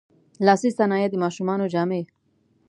لاسي صنایع، د ماشومانو جامې.